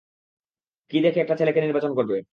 কী দেখে একটা ছেলেকে নির্বাচন করবে?